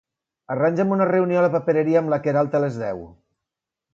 Arranja'm una reunió a la papereria amb la Queralt a les deu.